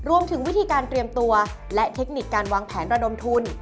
รวมถึงวิธีการเตรียมตัวและเทคนิคการวางแผนระดมทุน